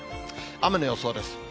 雨の予想です。